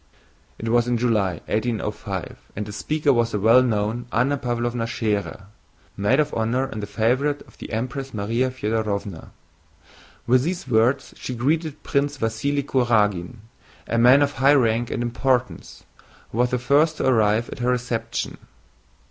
It was in July, 1805, and the speaker was the well known Anna Pávlovna Schérer, maid of honor and favorite of the Empress Márya Fëdorovna. With these words she greeted Prince Vasíli Kurágin, a man of high rank and importance, who was the first to arrive at her reception.